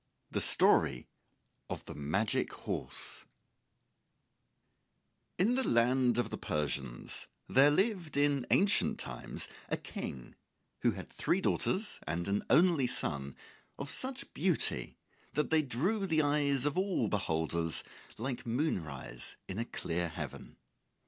THE STORY OF THE MAGIC HORSE In the land of the Persians there lived in ancient times a King who had three daughters and an only son of such beauty that they drew the eyes of all beholders like moonrise in a clear heaven.